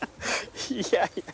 いやいや。